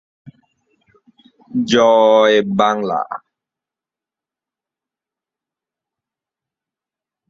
মঞ্জুর মা যখন সবকিছু জানেন তখন নির্মল এবং মঞ্জু বিয়ের সিদ্ধান্ত নেন।